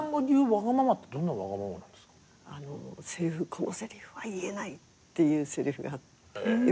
このせりふは言えないっていうせりふがあって。